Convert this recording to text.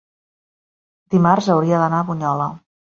Dimarts hauria d'anar a Bunyola.